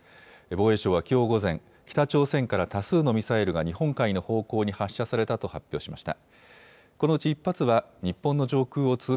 防衛省はきょう午前、北朝鮮から多数のミサイルが日本海の方向に発射されたと発表しました。